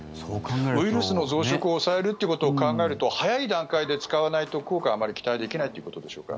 ウイルスの増殖を抑えるっていうことを考えると早い段階で使わないと効果はあまり期待できないということでしょうか？